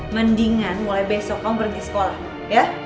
mendingan mulai besok kamu pergi sekolah ya